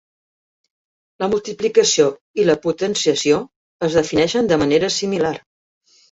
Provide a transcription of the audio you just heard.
La multiplicació i la potenciació es defineixen de manera similar.